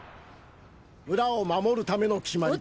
「村を守るための決まりだ」